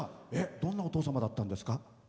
どんなお父様だったんですか。